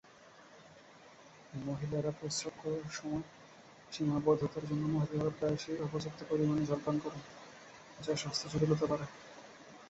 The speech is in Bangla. মহিলারা প্রস্রাব করার সীমাবদ্ধতার জন্য, মহিলারা প্রায়শই অপর্যাপ্ত পরিমাণে জল পান করেন, যা স্বাস্থ্য জটিলতা বাড়ায়।